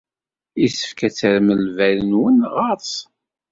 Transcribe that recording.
Yessefk ad terrem lbal-nwen ɣer-s.